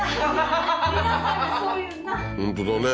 本当だね